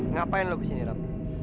ngapain lo kesini ram